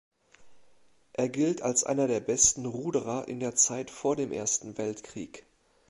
Er gilt als einer der besten Ruderer in der Zeit vor dem Ersten Weltkrieg.